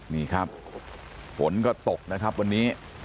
นี่ครับฝนก็ตกนะครับวันนี้